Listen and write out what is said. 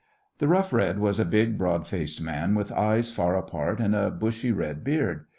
The Rough Red was a big broad faced man with eyes far apart and a bushy red beard.